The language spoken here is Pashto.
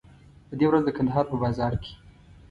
په دې ورځ د کندهار په بازار کې.